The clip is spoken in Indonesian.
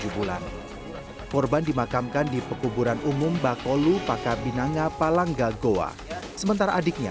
tujuh bulan korban dimakamkan di pekuburan umum bakolu pakabinanga palangga goa sementara adiknya